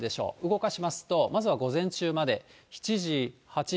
動かしますと、まずは午前中まで。